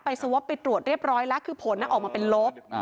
สวอปไปตรวจเรียบร้อยแล้วคือผลออกมาเป็นลบ